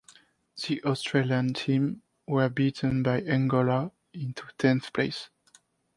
The Australian team were beaten by Angola into tenth place.